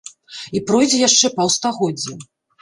І пройдзе яшчэ паўстагоддзя.